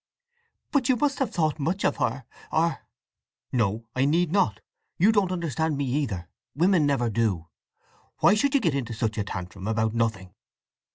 "But you must have thought much of her! Or—" "No—I need not—you don't understand me either—women never do! Why should you get into such a tantrum about nothing?"